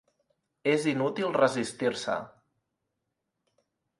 És inútil resistir-se.